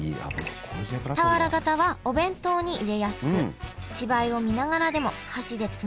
俵型はお弁当に入れやすく芝居を見ながらでも箸でつまみやすい。